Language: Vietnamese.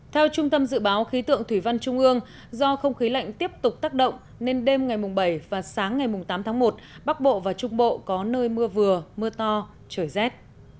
theo trung tâm dự báo khí tượng thủy văn trung ương do không khí lạnh tiếp tục tác động nên đêm ngày bảy và sáng ngày tám tháng một bắc bộ và trung bộ có nơi mưa vừa mưa to trời rét